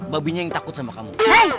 babinya yang takut sama kamu